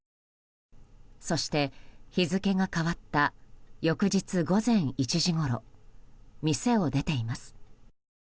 そして、日付が変わった翌日午前１時ごろ店を出ています。